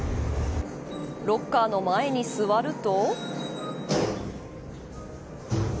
ロッカーの前に座ると。